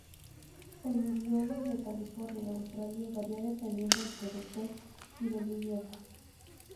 El nebbiolo de California y Australia varía dependiendo del productor y del viñedo.